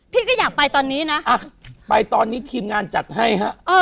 พี่ก็อยากไปตอนนี้นะไปตอนนี้ทีมงานจัดให้ฮะ